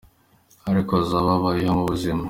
ariko bakaba babayeho mu buzima.